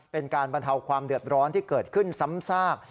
เป็นการบรรเทาความเดือดร้อนที่เกิดขึ้นซ้ำซาก